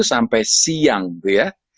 sampai siang gitu ya